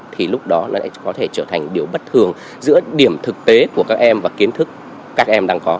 thì lúc đó lại có thể trở thành điều bất thường giữa điểm thực tế của các em và kiến thức các em đang có